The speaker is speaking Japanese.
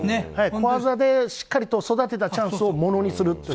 小技でしっかりと育てたチャンスをものにするという。